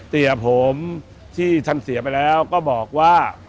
เสียผมที่ท่านเสียไปแล้วก็บอกว่า